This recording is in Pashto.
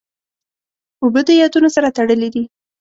اوبه د یادونو سره تړلې دي.